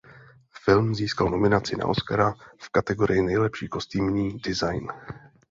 Film získal nominaci na Oscara v kategorii Nejlepší kostýmní design.